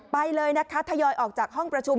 ไปเลยนะคะทยอยออกจากห้องประชุม